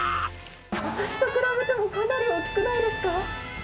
私と比べてもかなり大きくないですか？